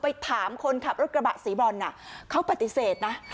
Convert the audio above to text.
ไปถามคนขับรถกระบะสีบรอนเขาปฏิเสธนะ